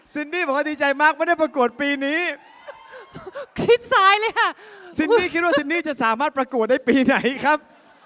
ซินนี่คิดว่าซินนี่จะสามารถประกวดได้ปีไหนครับ